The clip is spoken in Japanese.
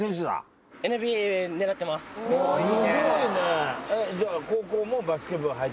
すごいね。